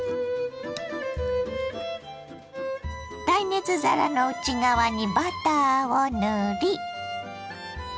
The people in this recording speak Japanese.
耐熱皿の内側にバターを塗り。